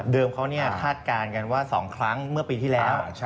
เขาคาดการณ์กันว่า๒ครั้งเมื่อปีที่แล้ว